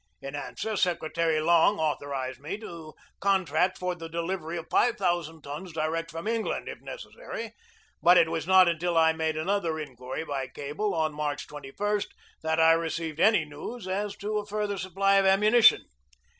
In answer, Secretary Long authorized me to contract for the delivery of five thousand tons direct from England, if necessary; but it was not until I made another inquiry by cable, i88 GEORGE DEWEY on March 21, that I received any news as to a fur ther supply of ammunition.